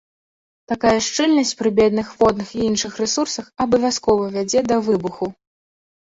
Такая шчыльнасць пры бедных водных і іншых рэсурсах абавязкова вядзе да выбуху.